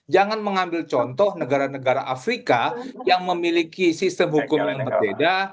jangan mengambil contoh negara negara afrika yang memiliki sistem hukum yang berbeda